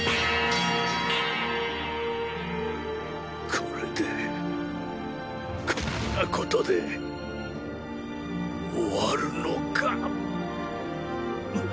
これでこんなことで終わるのか。